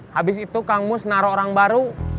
habis itu kang mus naruh orang baru